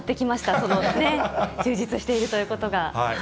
その充実しているということが。